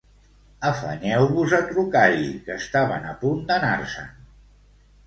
Afanyeu-vos a trucar-hi, que estaven a punt d'anar-se'n.